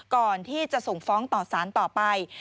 ก่อนที่จะส่งฟ้องต่อสารต่อไป